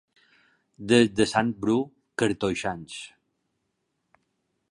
Des de sant Bru, cartoixans.